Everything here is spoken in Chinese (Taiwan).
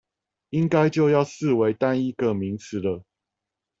應該就要視為單一個名詞了